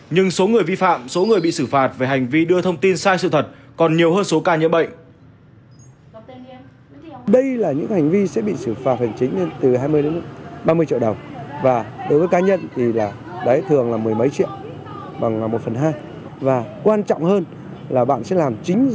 nhưng số người vi phạm số người bị xử phạt về hành vi đưa thông tin sai sự thật còn nhiều hơn số ca nhiễm bệnh